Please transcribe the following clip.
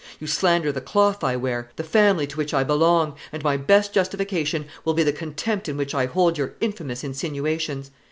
You slander the cloth I wear, the family to which I belong; and my best justification will be the contempt in which I hold your infamous insinuations.